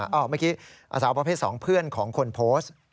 เมื่อกี้สาวประเภท๒เพื่อนของคนโพสต์